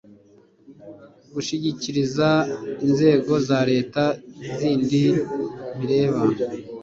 gushishikariza inzego za leta n'izindi bireba